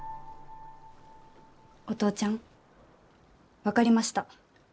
お父ちゃん分かりました。